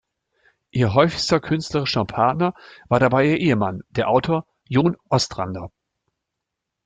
Ihr häufigster künstlerischer Partner war dabei ihr Ehemann, der Autor John Ostrander.